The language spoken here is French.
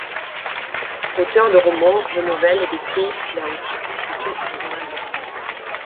Auteur de romans, de nouvelles et d'essais, il a aussi pratiqué le journalisme.